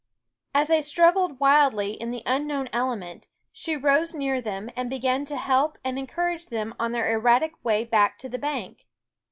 As they strug gled wildly in the unknown element, she rose near them and began to help and encourage them on their erratic way back to the bank.